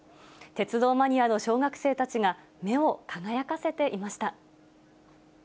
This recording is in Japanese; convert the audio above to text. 鉄道マニアの小学生たちが目を輝かせていました。